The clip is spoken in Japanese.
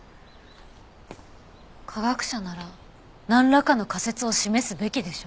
科学者ならなんらかの仮説を示すべきでしょ。